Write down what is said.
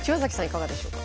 いかがでしょうか？